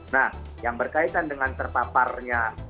nah yang berkaitan dengan terpaparnya